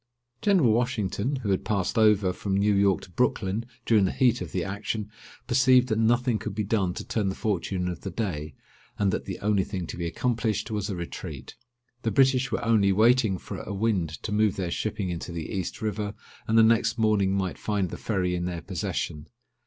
General Washington, who had passed over from New York to Brooklyn during the heat of the action, perceived that nothing could be done to turn the fortune of the day, and that the only thing to be accomplished was a retreat. The British were only waiting for a wind to move their shipping into the East River, and the next morning might find the ferry in their possession.